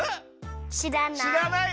しらない。